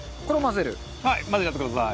混ぜちゃってください。